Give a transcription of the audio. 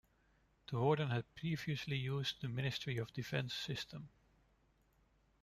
The warden had previously used the Ministry of Defence system.